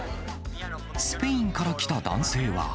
スペインから来た男性は。